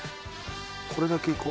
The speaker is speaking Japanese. これだけいこう。